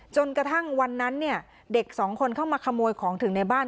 จนกระทั่งวันนั้นเนี่ยเด็กสองคนเข้ามาขโมยของถึงในบ้าน